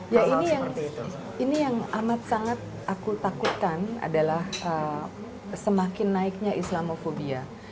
ya ini yang amat sangat aku takutkan adalah semakin naiknya islamofobia